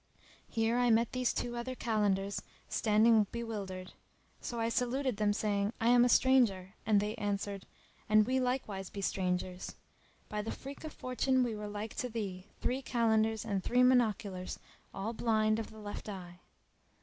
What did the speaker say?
Here I met these two other Kalandars standing bewildered; so I saluted them saying, "I am a stranger!" and they answered, "And we likewise be strangers!" By the freak of Fortune we were like to like, three Kalandars and three monoculars all blind of the left eye.